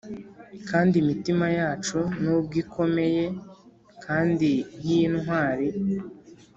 kandi imitima yacu, nubwo ikomeye kandi yintwari,